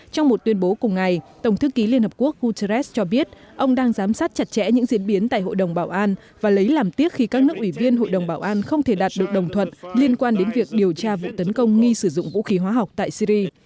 trong một tuyên bố cùng ngày tổng thư ký liên hợp quốc guterres cho biết ông đang giám sát chặt chẽ những diễn biến tại hội đồng bảo an và lấy làm tiếc khi các nước ủy viên hội đồng bảo an không thể đạt được đồng thuận liên quan đến việc điều tra vụ tấn công nghi sử dụng vũ khí hóa học tại syri